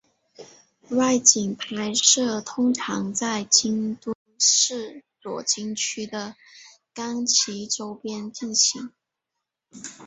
外景拍摄通常都在京都市左京区的冈崎周边进行。